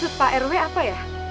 terus pak rw apa ya